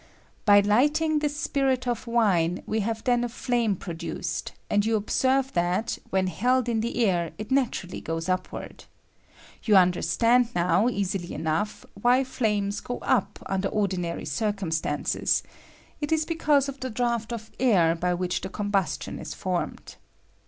By hghting this spirit of wine we have then a flame pro duced, and jou observe that when held in the air it naturally goes upward. You understand now, easily enough, why flames go up under ordinary circumstances: it is because of the draught of air by which the combustion is formed.